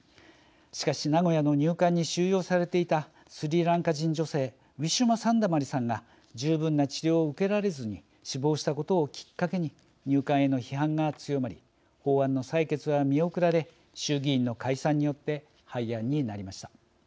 しかし、名古屋の入管に収容されていたスリランカ人女性ウィシュマ・サンダマリさんが十分な治療を受けられずに死亡したことをきっかけに入管への批判が強まり法案の採決は見送られ衆議院の解散によって廃案になりました。